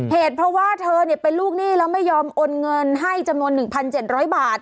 เหตุเพราะว่าเธอเป็นลูกหนี้แล้วไม่ยอมโอนเงินให้จำนวน๑๗๐๐บาท